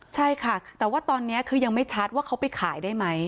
ใช่ค่ะแต่ว่าตอนนี้คือยังไม่ชัดว่าเขาไปขายได้ไหม